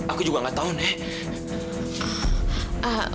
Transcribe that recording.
aku juga gak tau nenek